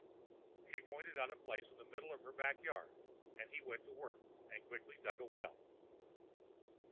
She pointed out a place in the middle of her back yard, and he went to work and quickly dug a well.